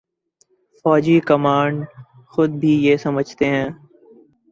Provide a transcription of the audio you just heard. فوجی کمانڈر خود بھی یہ سمجھتے ہیں۔